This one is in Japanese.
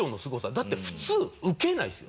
だって普通受けないですよ。